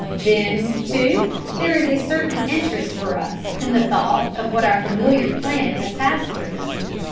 Then, too, there is a certain interest for us in the thought of what our familiar planet has passed through.